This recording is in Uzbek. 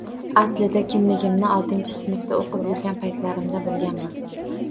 Aslida kimligimni oltinchi sinfda o`qib yurgan paytlarimda bilganman